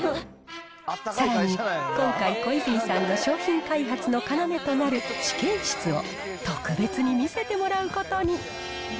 さらに、今回コイズミさんの商品開発の要となる試験室を特別に見せてもらうことに。